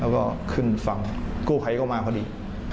ก็ขึ้นฝั่งกู้ไพเข้ามาพอดี